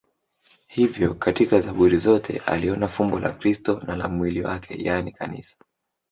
Hivyo katika Zaburi zote aliona fumbo la Kristo na la mwili wake, yaani Kanisa.